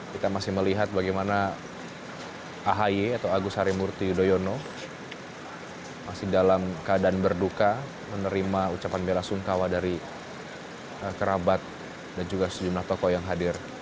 kita masih melihat bagaimana ahi atau agus harimurti yudhoyono masih dalam keadaan berduka menerima ucapan bela sungkawa dari kerabat dan juga sejumlah tokoh yang hadir